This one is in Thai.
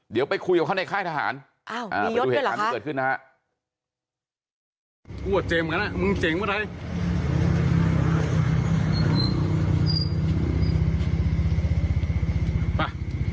เดี๋ยวไปคุยกับเขาในค่ายทหารไปดูเหตุการณ์ที่เกิดขึ้นนะฮะ